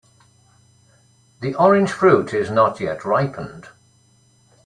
The orange fruit is not yet ripened.